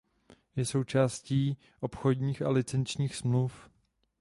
Je součástí obchodních a licenčních smluv.